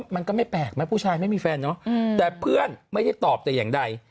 มันก็ไม่แปลกไหมผู้ชายไม่มีแฟนเนอะแต่เพื่อนไม่ได้ตอบแต่อย่างใด